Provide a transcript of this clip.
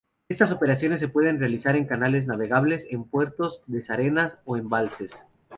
Estas operaciones se pueden realizar en canales navegables, en puertos, dársenas o embalses.